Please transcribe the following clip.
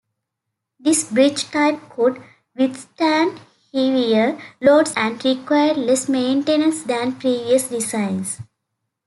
This bridge-type could withstand heavier loads and required less maintenance than previous designs.